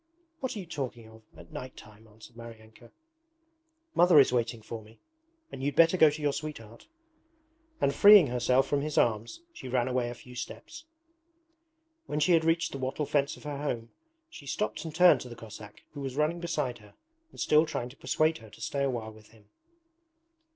'What are you talking of, at night time!' answered Maryanka. 'Mother is waiting for me, and you'd better go to your sweetheart.' And freeing herself from his arms she ran away a few steps. When she had reached the wattle fence of her home she stopped and turned to the Cossack who was running beside her and still trying to persuade her to stay a while with him.